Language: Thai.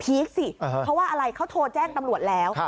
สิเพราะว่าอะไรเขาโทรแจ้งตำรวจแล้ว